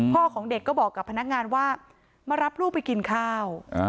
ของเด็กก็บอกกับพนักงานว่ามารับลูกไปกินข้าว